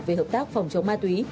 về hợp tác phòng chống ma túy